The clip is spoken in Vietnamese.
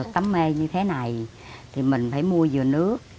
tấm mê như thế này thì mình phải mua dừa nước